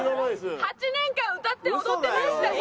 ８年間歌って踊ってましたし。